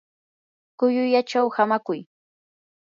kullullachaw hamakuy.